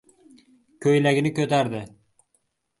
Ko‘ylagini ko‘tardi.